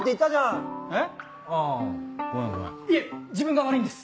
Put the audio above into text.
いえ自分が悪いんです。